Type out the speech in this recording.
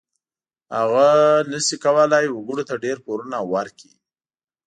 هغوی نشي کولای وګړو ته ډېر پورونه ورکړي.